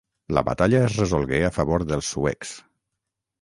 La batalla es resolgué a favor dels suecs.